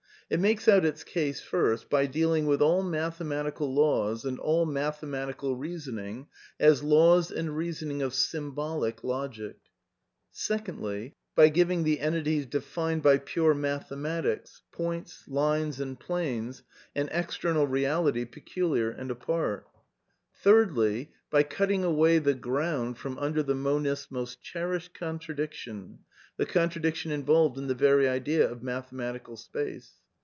It makes out its case, fijcst, hy dealing with all mathe matical laws and all matn^natieal reasoning as laws and reasoning of Symbolic Logic ; segoodly? by giving the enti ties deftaed by pnre mathematics — points, lines and planes — an extenial reality peculiar and apart; thirdly, by cutting away the ground from under the monisf smost cherished contradiction, the contradiction involved in the very idea of mathematical space.